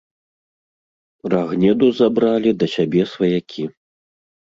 Рагнеду забралі да сябе сваякі.